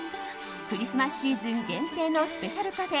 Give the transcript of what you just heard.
クリスマスシーズン限定のスペシャルカフェ